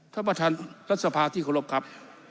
ท่านประธานรัฐสภาที่เคารพครับ